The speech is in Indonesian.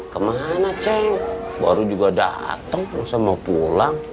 kemana cik baru juga datang tidak usah mau pulang